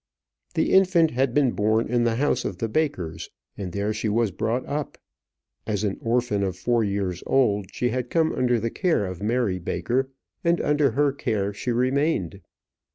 The infant had been born in the house of the Bakers, and there she was brought up. As an orphan of four years old, she had come under the care of Mary Baker, and under her care she remained.